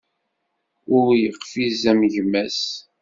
Ur yeqfiz am gma-s.